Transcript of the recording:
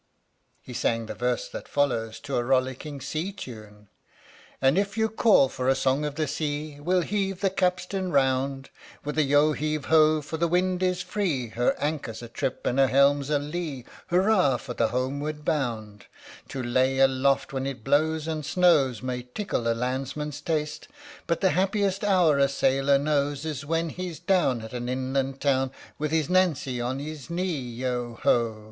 (He sang the verse that follows to a rollicking sea tune?) And if you call for a song of the sea, We'll heave the capstan round, With a " yeo heave oh !" for the wind is free, Her anchor 's a trip and her helm 's a lee, Hurrah for the homeward bound ! 21 THE STORY OF THE MIKADO To lay aloft when it blows and snows May tickle a landsman's taste, But the happiest hour a sailor knows Is when he 's down At an inland town, With his Nancy on his knee, yeo ho